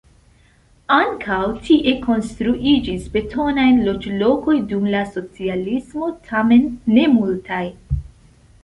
Ankaŭ tie konstruiĝis betonaj loĝlokoj dum la socialismo, tamen ne multaj.